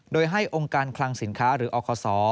โดยให้องค์การคลังสินค้าหรืออคศ